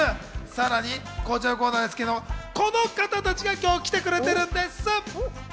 さらに、こちらのコーナーですけど、この方たちが今日、来てくれてるんです。